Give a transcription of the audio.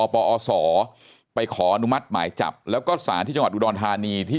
ปอศไปขออนุมัติหมายจับแล้วก็สารที่จังหวัดอุดรธานีที่